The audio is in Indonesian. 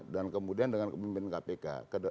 dan kemudian dengan pimpinan kpk